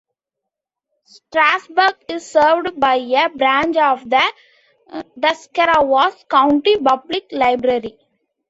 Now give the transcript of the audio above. Strasburg is served by a branch of the Tuscarawas County Public Library.